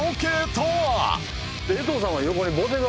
江藤さんは。